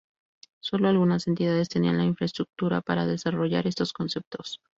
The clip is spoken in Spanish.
Solo algunas entidades tenían la infraestructura para desarrollar estos conceptos.